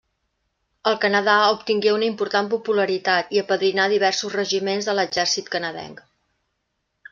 Al Canadà obtingué una important popularitat i apadrinà diversos regiments de l'exèrcit canadenc.